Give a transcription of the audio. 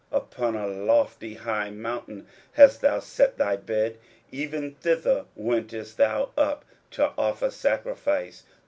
23:057:007 Upon a lofty and high mountain hast thou set thy bed: even thither wentest thou up to offer sacrifice.